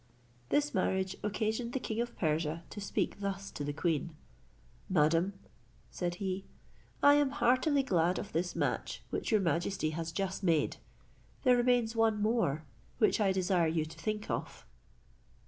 This marriage occasioned the king of Persia to speak thus to the queen: "Madam," said he, "I am heartily glad of this match which your majesty has just made. There remains one more, which I desire you to think of."